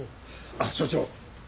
あっ署長。